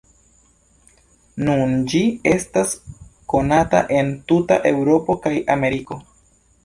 Nun ĝi estas konata en tuta Eŭropo kaj Ameriko.